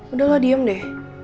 udah lo diem deh